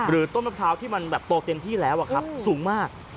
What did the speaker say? หรือต้นรับเท้าที่มันโตเต็มที่แล้วอ่ะครับสูงมาก